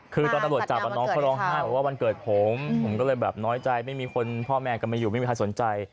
คือตอนตำรวจจับน้องเขาร้องไห้บอกว่าวันเกิดผมผมก็เลยแบบน้อยใจไม่มีคนพ่อแม่ก็ไม่อยู่ไม่มีใครสนใจ